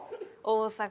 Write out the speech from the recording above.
大阪！？